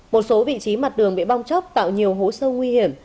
một số vị trí mặt đường bị bong chóc tạo nhiều hố sâu nguy hiểm